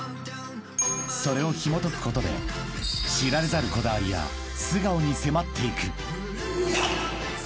［それをひもとくことで知られざるこだわりや素顔に迫っていく］